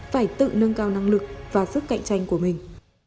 phải tự nâng cao năng lực và sức cạnh tranh của mình